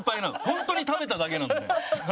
ホントに食べただけなので。